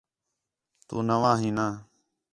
تُو نَواں ہی نہ